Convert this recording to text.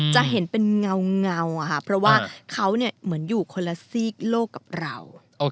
จะเห็นเป็นเงาค่ะเพราะว่าเขาเหมือนอยู่คนละซีกโลกกับเรา